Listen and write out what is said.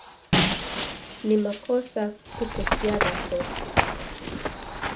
Ni makosa kutesa w'akosi.